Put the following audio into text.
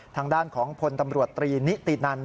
ทางด้านของพลตำรวจตรีนิตินัน